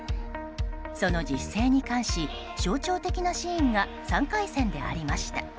その自主性に関し象徴的なシーンが３回戦でありました。